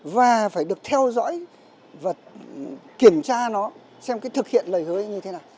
và phải được theo dõi và kiểm tra nó xem cái thực hiện lời hứa như thế nào